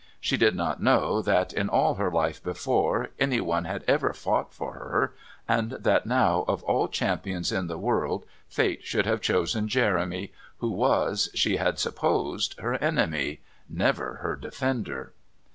She did not know that, in all her life before, anyone had ever fought for her, and that now of all champions in the world fate should have chosen Jeremy, who was, she had supposed, her enemy never her defender!